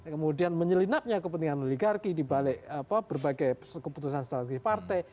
kemudian menyelinapnya kepentingan oligarki dibalik berbagai keputusan strategis partai